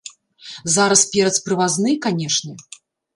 Зараз перац прывазны, канешне.